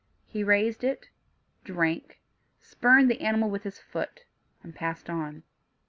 He raised it, drank, spurned the animal with his foot, and passed on.